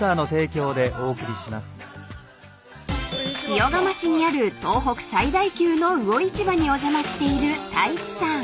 ［塩竈市にある東北最大級の魚市場にお邪魔している太一さん］